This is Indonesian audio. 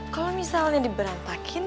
kalau misalnya diberantakin